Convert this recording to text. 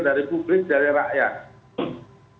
dari publik dari rakyat